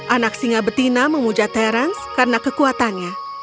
anak singa betina memuja terence karena kekuatannya